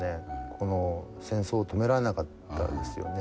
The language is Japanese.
この戦争を止められなかったですよね。